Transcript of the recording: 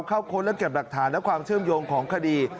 เข้าค้นเรื่องเก็บดักฐานและความเชื่อมโยงของคดี